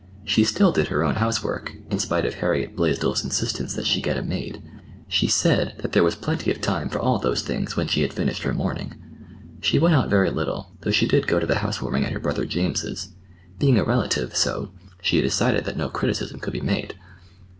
She still did her own housework, in spite of Harriet Blaisdell's insistence that she get a maid. She said that there was plenty of time for all those things when she had finished her mourning. She went out very little, though she did go to the housewarming at her brother James's—"being a relative, so," she decided that no criticism could be made.